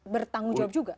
bertanggung jawab juga